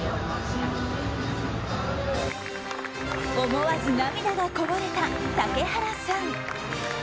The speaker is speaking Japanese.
思わず涙がこぼれた竹原さん。